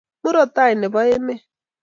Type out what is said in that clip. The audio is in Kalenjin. murot Tai nepo emet